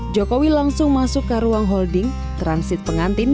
jokowi langsung masuk ke ruang holding transit pengantin